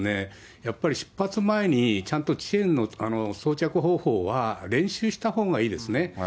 やっぱり出発前にちゃんとチェーンの装着方法は練習したほうがいいですね。